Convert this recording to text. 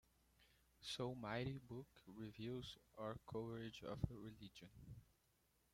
So might book reviews, or coverage of religion.